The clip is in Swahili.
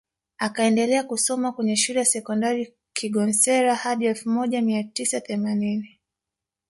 Akaendelea kusoma kwenye Shule ya Sekondari Kigonsera hadi elfu moja mia tisa themanini